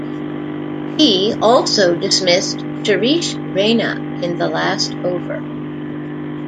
He also dismissed Suresh Raina in the last over.